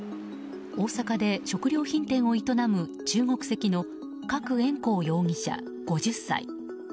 大阪で食料品店を営む中国籍のカク・エンコウ容疑者、５０歳。